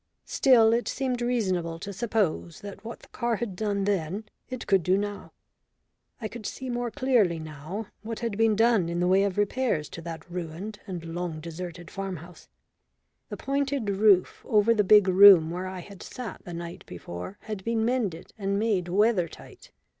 Still it seemed reasonable to suppose that what the car had done then it could do now. I could see more clearly now what had been done in the way of repairs to that ruined and long deserted farm house. The pointed roof over the big room where I had sat the night before had been mended and made weather tight.